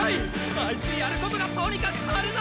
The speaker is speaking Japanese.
あいつやることがとにかく派手だ！！